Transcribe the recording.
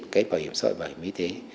cái bảo hiểm xã hội bảo hiểm y tế